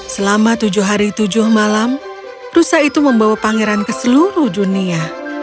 selama tujuh hari tujuh malam rusa itu membawa pangeran ke seluruh dunia